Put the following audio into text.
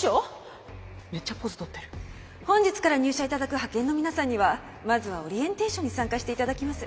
本日から入社頂く派遣の皆さんにはまずはオリエンテーションに参加して頂きます。